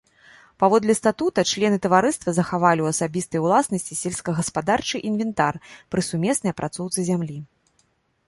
Паводле статута члены таварыства захавалі ў асабістай уласнасці сельскагаспадарчы інвентар пры сумеснай апрацоўцы зямлі.